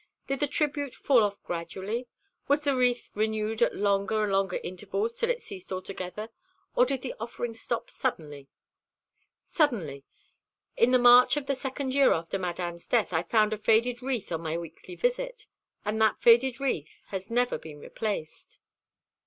"Did the tribute fall off gradually? Was the wreath renewed at longer and longer intervals till it ceased altogether, or did the offering stop suddenly?" "Suddenly. In the March of the second year after Madame's death I found a faded wreath on my weekly visit, and that faded wreath has never been replaced."